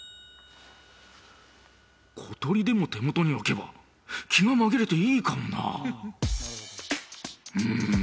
小鳥でも手元に置けば気が紛れていいかもなあうん